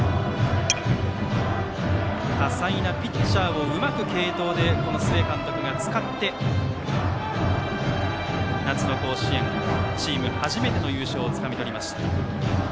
多彩なピッチャーをうまく継投で須江監督が使って夏の甲子園チームで初めての優勝をつかみ取りました。